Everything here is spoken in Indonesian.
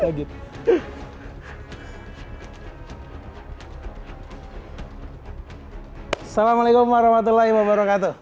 assalamualaikum warahmatullahi wabarakatuh